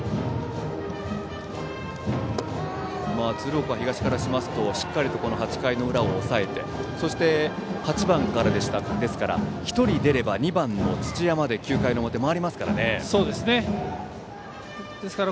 鶴岡東からしますとしっかりと８回の裏を抑えてそして、８番からですから１人出れば２番の土屋まで９回の表、回りますからね。